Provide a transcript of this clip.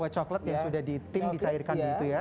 white chocolate yang sudah ditim dicairkan begitu ya